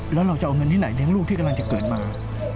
แล้วเราจะเอาเงินที่ไหนเลี้ยงลูกที่กำลังจะเกิดมา